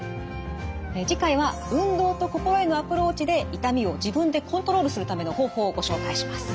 次回は運動と心へのアプローチで痛みを自分でコントロールするための方法をご紹介します。